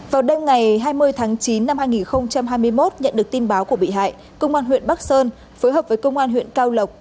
vào đêm ngày hai mươi tháng chín năm hai nghìn hai mươi một nhận được tin báo của bị hại công an huyện bắc sơn phối hợp với công an huyện cao lộc